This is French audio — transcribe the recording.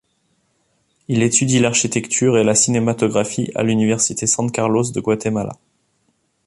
Il étudie l'architecture et la cinématographie à l'université San Carlos de Guatemala.